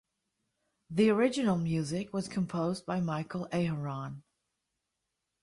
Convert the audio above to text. The original music was composed by Michael Aharon.